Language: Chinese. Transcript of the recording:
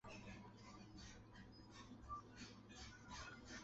尾长且纤细。